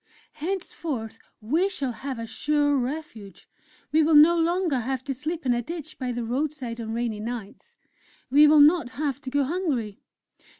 Henceforth, we shall have a sure refuge! We will no longer have to sleep in a ditch by the roadside on rainy nights.... We will not have to go hungry!